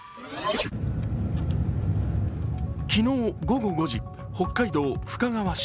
昨日午後５時、北海道深川市。